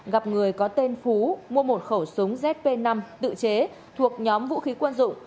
gặp người có tên phú mua một khẩu súng zp năm tự chế thuộc nhóm vũ khí quân dụng